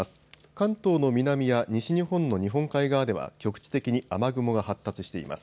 関東の南や西日本の日本海側では局地的に雨雲が発達しています。